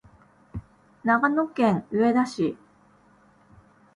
長野県上田市